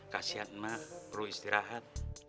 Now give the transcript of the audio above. kasian emak perlu istirahat